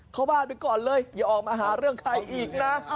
เข้าบ้านไปก่อนเลยอย่าออกมาหาเรื่องใครอีกนะ